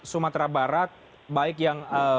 sumatera barat baik yang